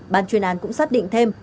bàn chuyên án cũng xác định thêm